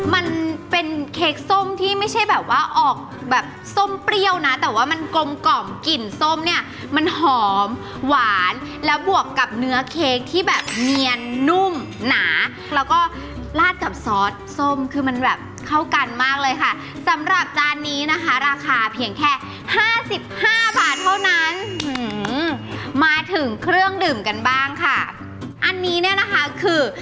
มันเป็นเค้กส้มที่ไม่ใช่แบบว่าออกแบบส้มเปรี้ยวนะแต่ว่ามันกลมกล่อมกลิ่นส้มเนี่ยมันหอมหวานแล้วบวกกับเนื้อเค้กที่แบบเนียนนุ่มหนาแล้วก็ลาดกับซอสส้มคือมันแบบเข้ากันมากเลยค่ะสำหรับจานนี้นะคะราคาเพียงแค่ห้าสิบห้าบาทเท่านั้นมาถึงเครื่องดื่มกันบ้างค่ะอันนี้เนี่ยนะคะคือ